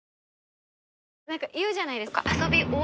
何かいうじゃないですか。